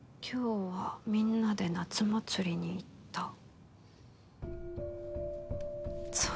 「今日はみんなで夏祭りに行った！」